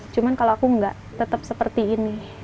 cuma kalau aku nggak tetap seperti ini